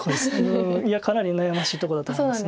うんいやかなり悩ましいとこだと思います。